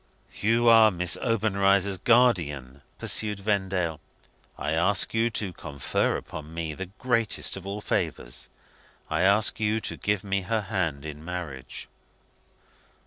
"You are Miss Obenreizer's guardian," pursued Vendale. "I ask you to confer upon me the greatest of all favours I ask you to give me her hand in marriage."